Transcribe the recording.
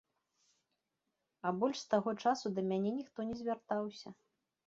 А больш з таго часу да мяне ніхто не звяртаўся.